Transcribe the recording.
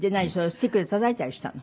スティックで叩いたりしたの？